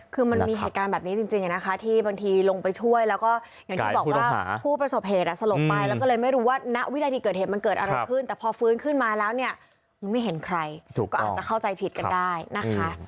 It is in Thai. คือมันมีเหตุการณ์แบบนี้จริงนะคะที่บางทีลงไปช่วยแล้วก็อย่างที่บอกว่าผู้ประสบเหตุสลบไปแล้วก็เลยไม่รู้ว่าณวินาทีเกิดเหตุมันเกิดอะไรขึ้นแต่พอฟื้นขึ้นมาแล้วเนี่ยมันไม่เห็นใครก็อาจจะเข้าใจผิดกันได้นะคะ